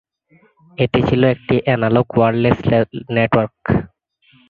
এটি ছিল একটি এনালগ ওয়্যারলেস নেটওয়ার্ক।